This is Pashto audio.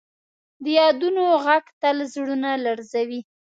د یادونو ږغ تل زړونه لړزوي.